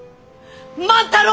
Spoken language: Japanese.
万太郎！